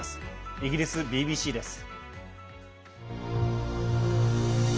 イギリスＢＢＣです。